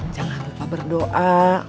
jangan lupa berdoa